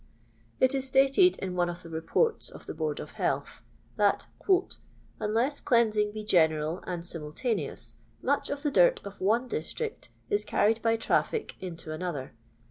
It is stated in one of the Reports of the Board of Health, that " unless cleansing be general and simultaneous, much of the dirt of one district is carried by tnfRc into another.